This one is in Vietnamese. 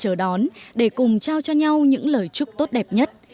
chúng tôi cũng rất thân thiện và chờ đón để cùng trao cho nhau những lời chúc tốt đẹp nhất